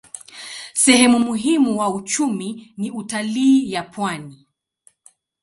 Sehemu muhimu wa uchumi ni utalii ya pwani.